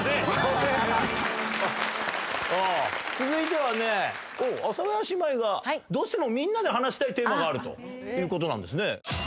続いてはね阿佐ヶ谷姉妹がどうしてもみんなで話したいテーマがあるということなんですね。